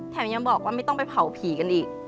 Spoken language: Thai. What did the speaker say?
ยังบอกว่าไม่ต้องไปเผาผีกันอีก